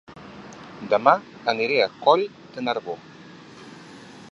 Dema aniré a Coll de Nargó